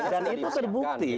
dan itu terbukti